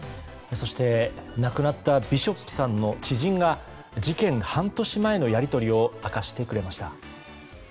そして亡くなったビショップさんの知人が事件半年前のやり取りを明かしてくれました。